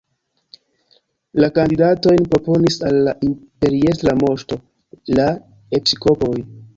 La kandidatojn proponis al la imperiestra moŝto la episkopoj.